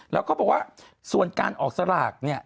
แล้วก็บอกว่าส่วนการออกสลากเนี่ย